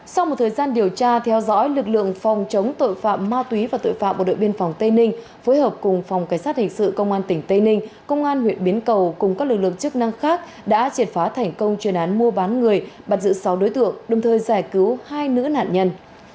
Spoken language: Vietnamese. sau một thời gian điều tra theo dõi lực lượng phòng chống tội phạm ma túy và tội phạm bộ đội biên phòng tây ninh phối hợp cùng phòng cảnh sát hình sự công an tỉnh tây ninh công an huyện biến cầu cùng các lực lượng chức năng khác đã triệt phá thành công chuyên án mua bán người bắt giữ sáu đối tượng đồng thời giải cứu hai nữ nạn nhân